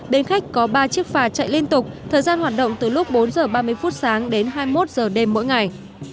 bến khách có ba chiếc phà chạy liên tục thời gian hoạt động từ lúc bốn h ba mươi phút sáng đến hai mươi một giờ đêm mỗi ngày